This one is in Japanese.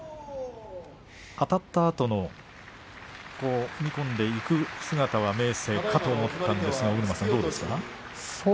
あたったあとの踏み込んでいく姿は明生だと思ったんですがどうですか。